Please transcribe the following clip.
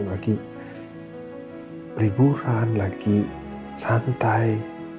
lagi liburan lagi santai